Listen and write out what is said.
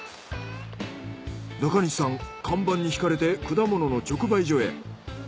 中西さん看板にひかれて果物の直売所へ。